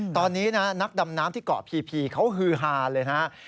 ตอนนี้นะนักดำน้ำที่เกาะพีเขาฮือฮาเลยนะครับ